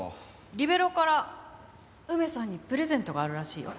リベロウから梅さんにプレゼントがあるらしいよ。